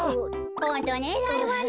ホントにえらいわね。